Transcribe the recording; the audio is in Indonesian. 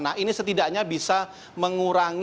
nah ini setidaknya bisa mengurangi